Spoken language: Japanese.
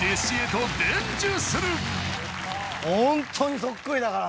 ホントにそっくりだからね。